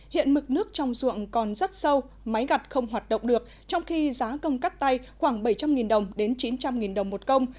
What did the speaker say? hiện mực nước trong ruộng còn rất sâu máy gặt không hoạt động được trong khi giá công cắt tay khoảng bảy trăm linh đồng đến chín trăm linh đồng một công